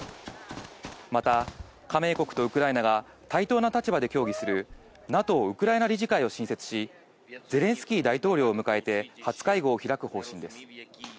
また、加盟国とウクライナが対等な立場で協議する、ＮＡＴＯウクライナ理事会を新設し、ゼレンスキー大統領を迎えて初会合を開く方針です。